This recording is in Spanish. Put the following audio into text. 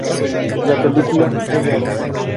La película "Mr.